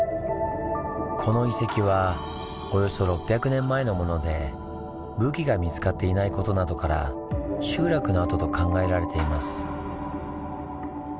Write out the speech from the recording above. この遺跡はおよそ６００年前のもので武器が見つかっていないことなどから集落の跡と考えられています。